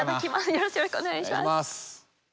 よろしくお願いします。